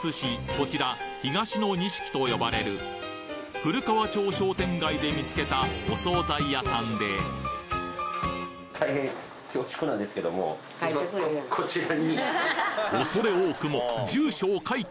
こちら東の錦と呼ばれる古川町商店街で見つけたお総菜屋さんでこちらに。